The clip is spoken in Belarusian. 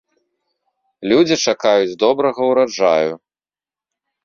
Людзі чакаюць добрага ўраджаю.